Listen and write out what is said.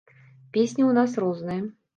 Песні ў нас розныя!